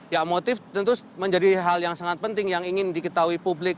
ya motif tentu menjadi hal yang sangat penting yang ingin diketahui publik